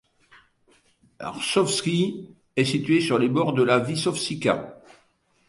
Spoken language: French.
Rsovci est situé sur les bords de la Visočica.